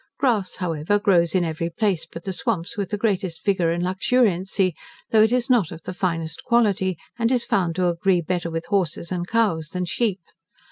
Grass, however, grows in every place but the swamps with the greatest vigour and luxuriancy, though it is not of the finest quality, and is found to agree better with horses and cows than sheep.